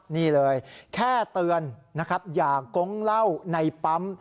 นี่เลยแค่เตือนอย่ากงเล่าในปั๊ม